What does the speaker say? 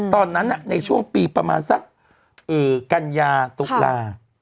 ตอนนั้นน่ะในช่วงปีประมาณซักเอ๋กัญญาทุกรา